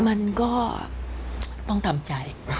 มันก็ต้องทำใจ